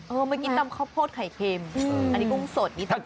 เออเมื่อกี้ตำข้าวโพดไข่เค็มอันนี้กุ้งสดเงี้ยทำซั่ว